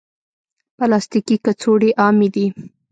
پلاستيکي کڅوړې عامې دي.